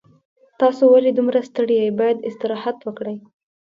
تاسو ولې دومره ستړي یې باید استراحت وکړئ